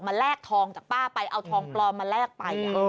แลกทองจากป้าไปเอาทองปลอมมาแลกไป